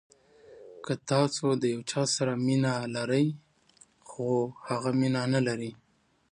که تاسو د یو چا سره مینه لرئ خو هغه مینه نلري.